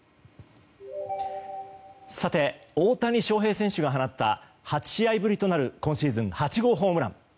大谷翔平選手が放った８試合ぶりとなる今シーズン８号ホームラン。